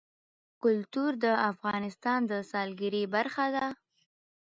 کلتور د افغانستان د سیلګرۍ برخه ده.